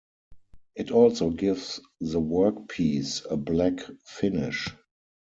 It also gives the workpiece a black finish.